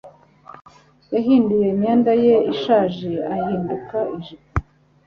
Yahinduye imyenda ye ishaje ahinduka ijipo.